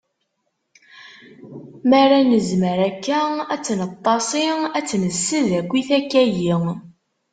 Mi ara nezmer akka ad tt-neṭṭasi, ad tt-nessed akkit akkayi.